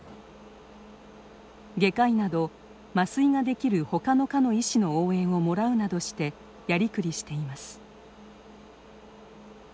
外科医など麻酔ができる他の科の医師の応援をもらうなどしてやりくりしています。